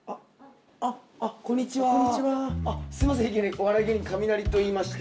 お笑い芸人カミナリといいまして。